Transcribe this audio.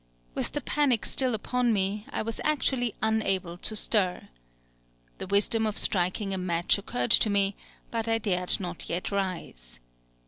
With the panic still upon me, I was actually unable to stir. The wisdom of striking a match occurred to me, but I dared not yet rise.